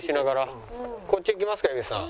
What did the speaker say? こっち行きますか蛭子さん。